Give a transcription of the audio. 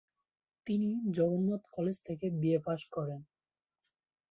তিনি জগন্নাথ কলেজ থেকে বিএ পাশ করেন।